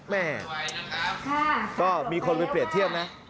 แม่ก็มีคนไปเปรียบเทียบนะ